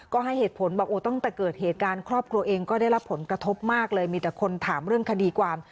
ก็ให้เหตุผลบอกโอ้ตั้งแต่เกิดเหตุการณ์ครอบครัวเองก็ได้รับผลกระทบมากเลยมีแต่คนถามเรื่องคดีความ